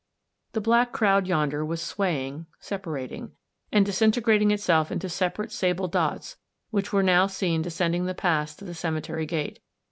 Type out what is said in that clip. The black cloud yonder was swaying, separating, and disintegrating itself into separate sable dots, which were now seen descending the paths to the cemetery gate.